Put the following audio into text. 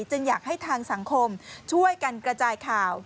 จึงอยากให้ทางสังคมช่วยกันกระจายข่าว